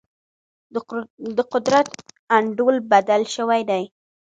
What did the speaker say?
د قدرت انډول بدل شوی دی.